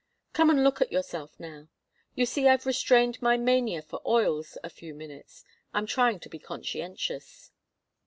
Come and look at yourself now. You see I've restrained my mania for oils a few minutes. I'm trying to be conscientious."